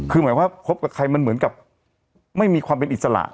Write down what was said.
คือหมายว่าคบกับใครมันเหมือนกับไม่มีความเป็นอิสระ